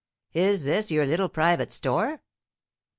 "Is this your little private store?"